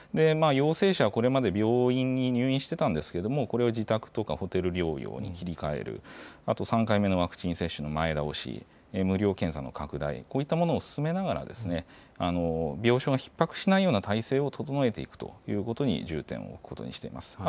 陽性者はこれまで病院に入院してたんですけれども、これを自宅とかホテル療養に切り替える、あと３回目のワクチン接種の前倒し、無料検査の拡大、こういったものを進めながら、病床がひっ迫しないような体制を整えていくということに重点を置くことにしています。